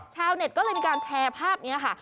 ชาวเน็ตก็เลยมีการแชร์ภาพนี้ค่ะ